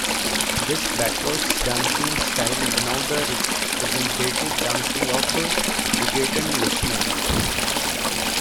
This backwards dancing style is now the representative dancing of reggaeton listeners.